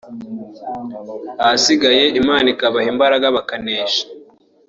ahasigaye Imana ikabaha imbaraga bakanesha